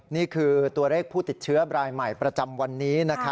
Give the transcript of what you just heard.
นี่คือตัวเลขผู้ติดเชื้อรายใหม่ประจำวันนี้